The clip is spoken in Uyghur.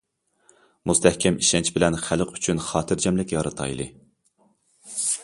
مۇستەھكەم ئىشەنچ بىلەن خەلق ئۈچۈن خاتىرجەملىك يارىتايلى.